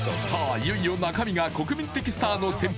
いよいよ中身が国民的スターの先輩